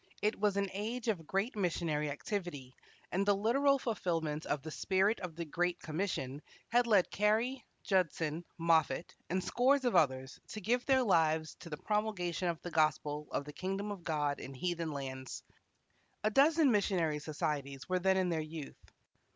It was an age of great missionary activity, and the literal fulfilment of the spirit of the great commission had led Carey, Judson, Moffat, and scores of others to give their lives to the promulgation of the gospel of the kingdom of God in heathen lands. A dozen missionary societies were then in their youth.